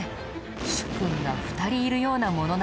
主君が２人いるようなものなんだ。